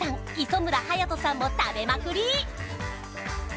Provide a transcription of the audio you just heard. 磯村勇斗さんも食べまくり